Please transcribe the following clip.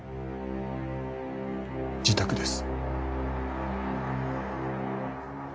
自宅です。